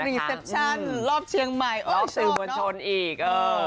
รีเซปชั่นรอบเชียงใหม่อ๋อสื่อมวลชนอีก